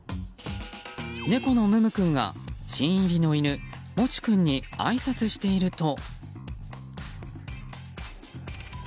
猫のむむ君が新入りの犬もち君にあいさつしていると。